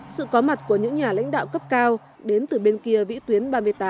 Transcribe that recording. sự có mặt của những nhà lãnh đạo cấp cao đến từ bên kia vĩ tuyến ba mươi tám